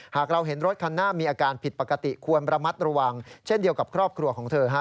หากเราเห็นรถคันหน้ามีอาการผิดปกติควรระมัดระวังเช่นเดียวกับครอบครัวของเธอ